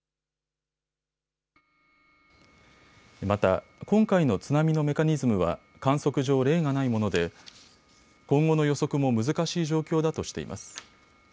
また、今回の津波のメカニズムは観測上、例がないもので今後の予測も難しい状況だとしています。